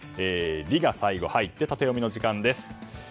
「リ」が最後入ってタテヨミの時間です。